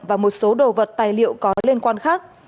và một số đồ vật tài liệu có liên quan khác